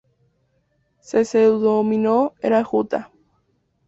Su seudónimo era Jutta.